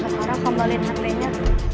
sekarang kembalin hpnya